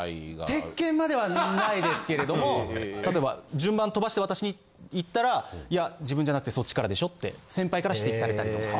鉄拳まではないですけれども例えば順番とばして渡しに行ったら「いや自分じゃなくてそっちからでしょ？」って先輩から指摘されたりとか。